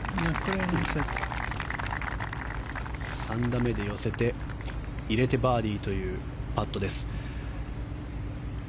３打目で寄せて、入れてバーディーというパットです。